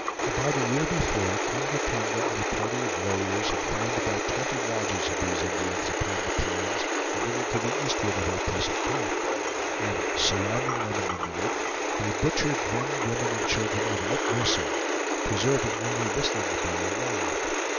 About a year before, Kongra Tonga and a party of warriors had found about twenty lodges of these Indians upon the plains a little to the eastward of our present camp; and surrounding them in the night, they butchered men, women, and children without mercy, preserving only this little boy alive.